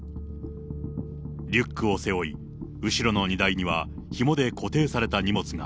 リュックを背負い、後ろの荷台にはひもで固定された荷物が。